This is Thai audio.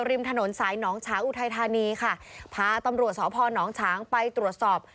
ริมถนนสายหนองฉางอุทัยธานีค่ะพาตำรวจสพนฉางไปตรวจสอบ